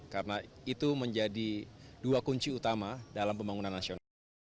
karena itu menjadi dua kunci utama dalam pembangunan nasional